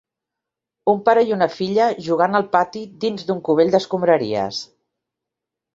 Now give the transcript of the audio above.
Un pare i una filla jugant al pati dins d'un cubell d'escombraries.